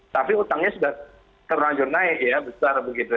tapi utangnya sudah terlanjur naik ya besar begitu